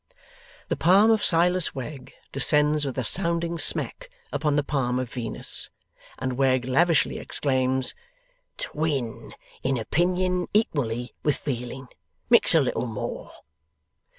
The palm of Silas Wegg descends with a sounding smack upon the palm of Venus, and Wegg lavishly exclaims, 'Twin in opinion equally with feeling! Mix a little more!